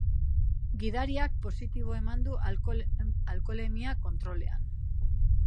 Gidariak positibo eman du alkoholemia-kontrolean.